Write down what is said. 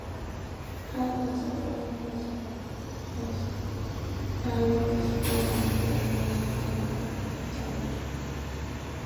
Her other grandfather was Prior Spunner Prior-Palmer of Dublin.